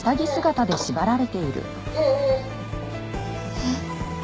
えっ！